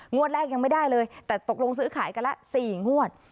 แรกยังไม่ได้เลยแต่ตกลงซื้อขายกันละ๔งวด